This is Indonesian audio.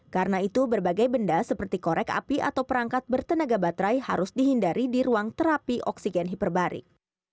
karena itu berbagai benda seperti korek api atau perangkat bertenaga baterai harus dihindari di ruang terapi oksigen hiperbarik